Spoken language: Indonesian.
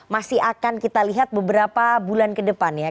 masih akan kita lihat beberapa bulan ke depan ya